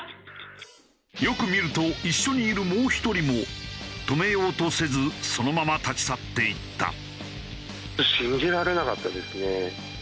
よく見ると一緒にいるもう１人も止めようとせずそのまま立ち去っていった。